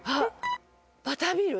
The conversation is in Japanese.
バタービール？